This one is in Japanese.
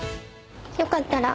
よかったら。